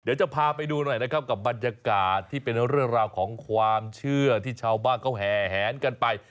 เดี๋ยวจะพาไปดูหน่อยนะครับกับบรรยากาศที่เป็นเรื่องราวของความเชื่อที่ชาวบ้านเขาแห่แหนกันไป